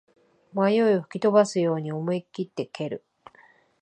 迷いを吹き飛ばすように思いきって蹴る